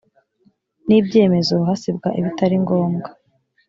n ibyemezo hasibwa ibitari ngombwa